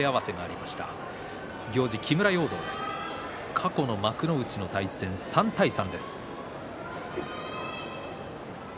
過去の幕内の対戦は３対３。